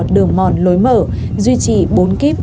đường mòn lối mở duy trì bốn kíp